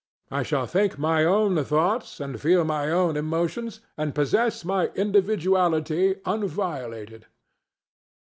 I shall think my own thoughts and feel my own emotions and possess my individuality unviolated.